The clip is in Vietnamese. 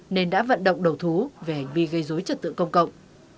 nên đã vận động đầu thú về hành vi gây dối trật tự công cộng